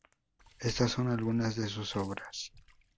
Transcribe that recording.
Estas son algunas de sus obras.